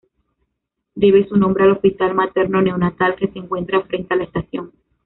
Debe su nombre al Hospital Materno Neonatal que se encuentra frente a la estación.